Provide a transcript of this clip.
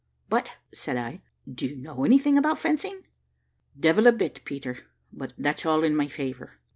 "But," said I, "do you know anything about fencing?" "Devil a bit, Peter; but that's all in my favour."